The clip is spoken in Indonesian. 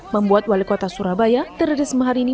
membuat wali kota surabaya tririsma haridi